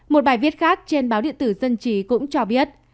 một bài viết khác trên báo điện tử dân trí cũng cho biết